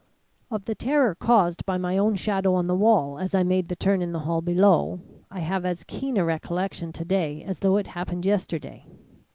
"Of the terror caused by my own shadow on the wall as I made the turn in the hall below, I have as keen a recollection to day as though it happened yesterday.